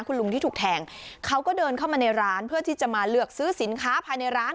คุณลุงที่ถูกแทงเขาก็เดินเข้ามาในร้านเพื่อที่จะมาเลือกซื้อสินค้าภายในร้าน